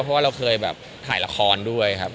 คุยกันอยู่ครับคุยกันอยู่ครับ